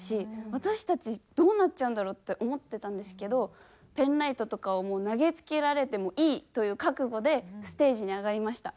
私たちどうなっちゃうんだろう？って思ってたんですけどペンライトとかをもう投げ付けられてもいいという覚悟でステージに上がりました。